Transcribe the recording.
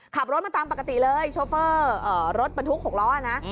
ขับรถมาตามปกติเลยโชเฟอร์รถบรรทุก๖ล้อนะ